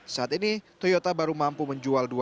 saat ini toyota baru mampu menjual sebelas ribu unit